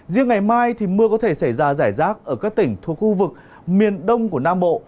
riêng ngày mai thì mưa có thể xảy ra rải rác ở các tỉnh thuộc khu vực miền đông của nam bộ